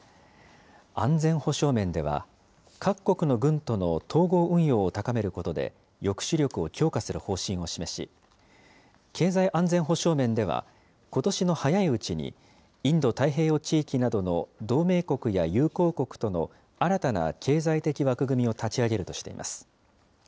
安全保障面では、各国の軍との統合運用を高めることで、抑止力を強化する方針を示し、経済安全保障面ではことしの早いうちに、インド太平洋地域などの同盟国や友好国との新たな経済的枠組みを立ち上げるとしています。